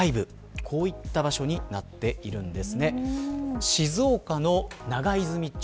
こういった場所になっています。